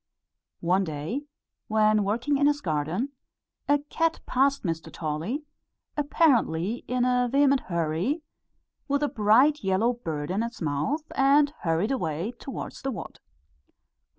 One day, when working in his garden, a cat passed Mr. Tolly, apparently in a vehement hurry, with a bright yellow bird in its mouth, and hurried away towards the wood.